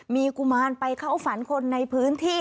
มีกุมารไปเข้าฝันคนในพื้นที่